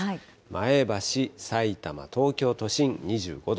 前橋、さいたま、東京都心２５度。